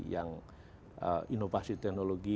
yang inovasi teknologi